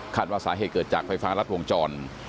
ว่าสาเหตุเกิดจากไฟฟ้ารัดวงจร